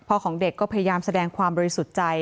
ของเด็กก็พยายามแสดงความบริสุทธิ์ใจ